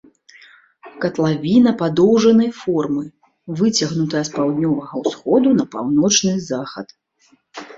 Катлавіна падоўжанай формы, выцягнутая з паўднёвага ўсходу на паўночны захад.